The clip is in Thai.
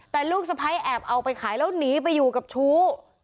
แต่ลูกสะพ้ายแอบเอาไปขายแล้วหนีไปอยู่กับชู้